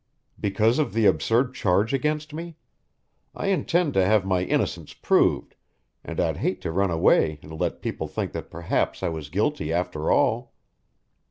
"Because of the absurd charge against me? I intend to have my innocence proved, and I'd hate to run away and let people think that perhaps I was guilty after all."